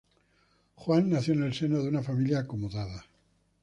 Juan nació en el seno de una familia acomodada.